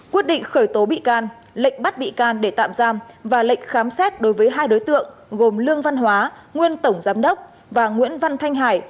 quyết định khởi tố bị can lệnh bắt bị can để tạm giam và lệnh khám xét đối với hai đối tượng gồm lương văn hóa nguyên tổng giám đốc và nguyễn văn thanh hải